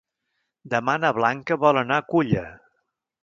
Demà na Blanca vol anar a Culla.